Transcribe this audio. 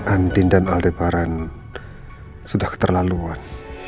andin dan aldebaran sudah keterlaluan